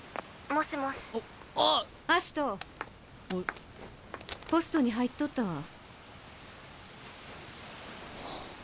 葦人ポストに入っとったわ。